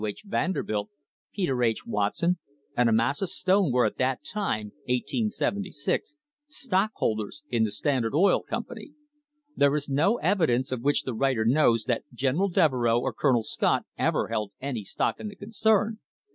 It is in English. H. Vanderbilt, Peter H. Watson and IAmasa Stone were at that time, 1876, stockholders in the Standard Oil Company. There is no evidence of which the writer knows that General Devereux or Colonel Scott ever held any stock in the concern.